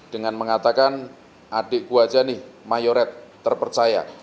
dengan mengatakan adikku aja nih mayoret terpercaya